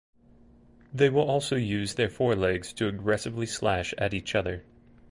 They will also use their forelegs to aggressively slash at each other.